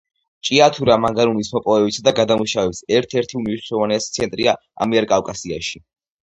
ჭიათურა მანგანუმის მოპოვებისა და გადამუშავების ერთ-ერთი უმნიშვნელოვანესი ცენტრია ამიერკავკასიაში.